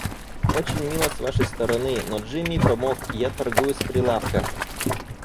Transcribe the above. Очень мило с вашей стороны, но Джимми помог, я торгую с прилавка.